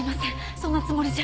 そんなつもりじゃ。